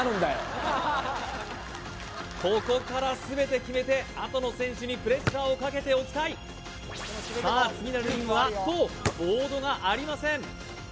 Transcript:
ここから全て決めてあとの選手にプレッシャーをかけておきたいさあ次なるリングはボードがありません